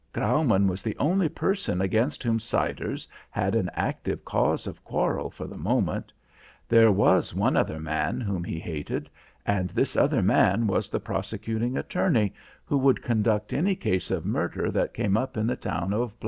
"Graumann was the only person against whom Siders had an active cause of quarrel for the moment. There was one other man whom he hated, and this other man was the prosecuting attorney who would conduct any case of murder that came up in the town of G